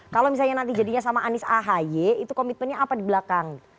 kalau misalnya nanti jadinya sama anies ahy itu komitmennya apa di belakang